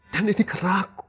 dan ini keraguan